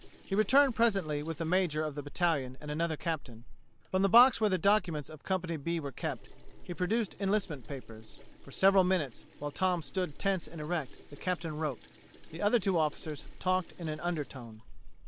He returned presently with the Major of the battalion and another Captain. From the box where the documents of Company B were kept, he produced enlistment papers. For several minutes, while Tom stood tense and erect, the Captain wrote. The other two officers talked in an undertone.